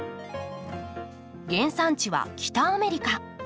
原産地は北アメリカ。